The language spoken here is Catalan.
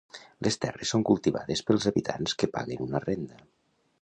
Les terres són cultivades pels habitants que paguen una renda.